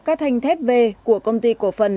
các thanh thép v của công ty cổ phần